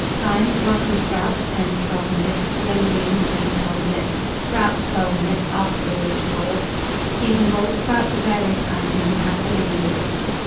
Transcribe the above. Time. Brocoli sprouts, 10 to 12 minutes; young greens, 10 to 12 minutes; sprouts, 12 minutes, after the water boils. Seasonable. Sprouts of various kinds may be had all the year.